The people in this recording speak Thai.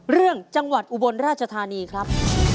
เรื่องจังหวัดอุบลราชธานีครับ